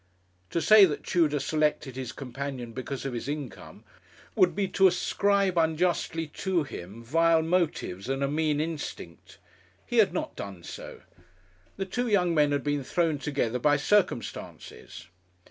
To say that Tudor selected his companion because of his income would be to ascribe unjustly to him vile motives and a mean instinct. He had not done so. The two young men had been thrown together by circumstances.